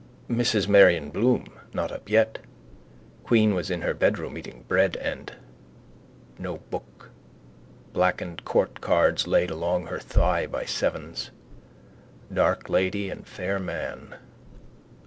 Mrs Marion Bloom. Not up yet. Queen was in her bedroom eating bread and. No book. Blackened court cards laid along her thigh by sevens. Dark lady and fair man.